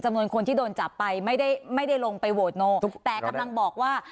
จำนวนคนที่ถูกจับไปไม่ได้ลงไปโหวตโนแต่กำลังบอกว่า